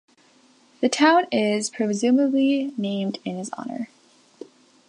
The town is presumably named in his honour.